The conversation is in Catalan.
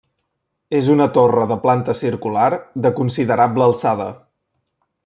És una torre de planta circular de considerable alçada.